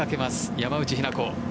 山内日菜子。